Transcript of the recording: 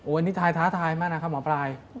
วันนี้ท้าท้ายมากนะคะหมอปลาย